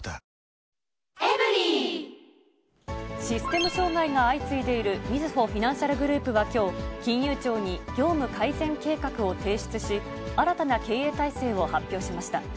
システム障害が相次いでいるみずほフィナンシャルグループはきょう、金融庁に業務改善計画を提出し、新たな経営体制を発表しました。